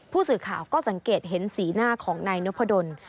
ผู้สื่อข่าวก็สังเกตเห็นสีหน้าของนายนพดล